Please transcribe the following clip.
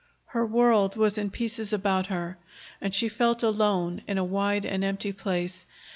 Her world was in pieces about her, and she felt alone in a wide and empty place.